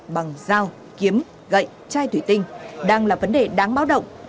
bằng dao kiếm gậy chai thủy tinh đang là vấn đề đáng báo động